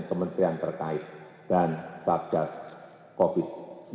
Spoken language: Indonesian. kementerian terkait dan satgas covid sembilan belas